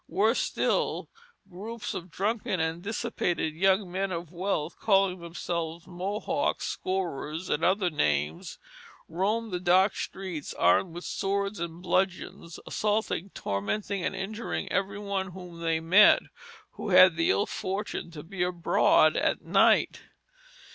Worse still, groups of drunken and dissipated young men of wealth, calling themselves Mohocks, Scourers, and other names, roamed the dark streets armed with swords and bludgeons, assaulting, tormenting, and injuring every one whom they met, who had the ill fortune to be abroad at night.